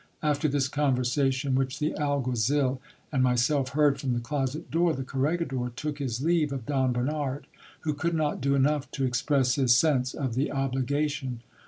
After this conversation, which the alguazil and myself heard from the closet door, the corregidor took his leave of Don Bernard, who could not do enough to express his sense of the obligation.